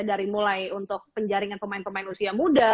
dari mulai untuk penjaringan pemain pemain usia muda